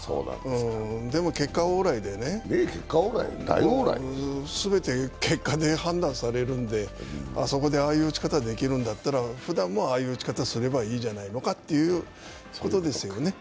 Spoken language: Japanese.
でも結果オーライでね、すべて結果で判断されるんであそこでああいう打ち方できるんだったら、ふだんもああいう打ち方すればいいんじゃないかということです。